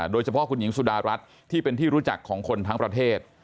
โดยเฉพาะคุณหญิงสุดารัฐที่เป็นที่รู้จักของคนทั้งประเทศ